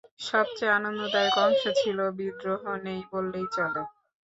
সবচেয়ে আনন্দদায়ক অংশ ছিল, বিদ্রোহ নেই বললেই চলে!